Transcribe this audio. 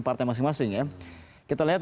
partai masing masing kan kita lihat